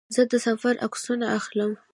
زه د سفر عکسونه اخلم.